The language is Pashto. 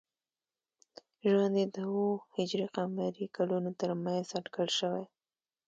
ژوند یې د او ه ق کلونو تر منځ اټکل شوی.